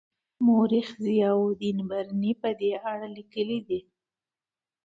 مورخ ضیاالدین برني په دې اړه لیکلي دي.